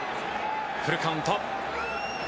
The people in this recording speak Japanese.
フルカウント。